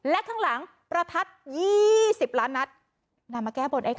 และข้างหลังประทัศน์๒๐ล้านนัตชีวิต